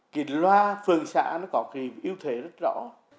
cái loa phường xã nó có cái ưu thế rất rõ